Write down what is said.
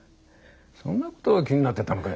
そんなことが気になってたのかい。